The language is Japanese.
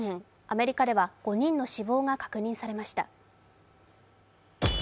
アメリカでは５人の死亡が確認されました。